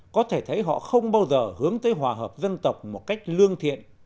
có thể thấy họ không bao giờ hướng tới hòa hợp dân tộc một cách lương thiện